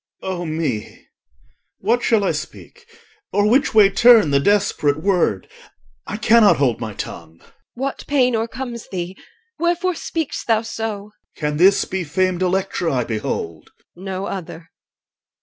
O me! What shall I speak, or which way turn The desperate word? I cannot hold my tongue. EL. What pain o'ercomes thee? Wherefore speak'st thou so? OR. Can this be famed Electra I behold? EL. No other.